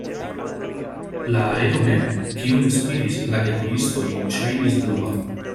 La aero mem, kiun spiris la geturistoj, ŝajnis blua.